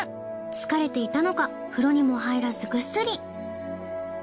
疲れていたのか風呂にも入らずぐっすり。